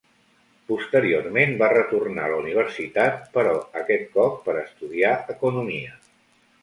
Posteriorment va retornar a la universitat però aquest cop per estudiar economia.